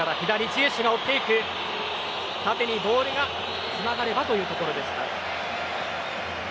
縦にボールがつながればというところでした。